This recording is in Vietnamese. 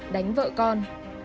còn vợ con